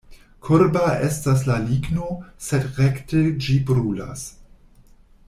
Kurba estas la ligno, sed rekte ĝi brulas.